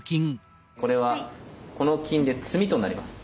これはこの金で詰みとなります。